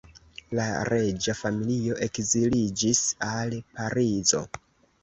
La reĝa familio ekziliĝis al Parizo.